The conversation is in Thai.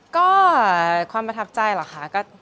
ก็ความประทับใจเหรอคะ